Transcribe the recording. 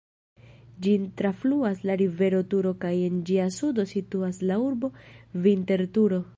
Ĝin trafluas la rivero Turo kaj en ĝia sudo situas la urbo Vinterturo.